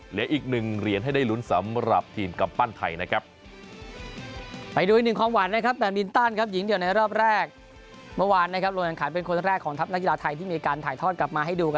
เหลืออีก๑เหรียญให้ได้ลุ้นสำหรับทีมกำปั้นไทยนะครับ